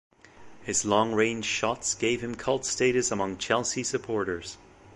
His long-range shots gave him cult status among Chelsea supporters.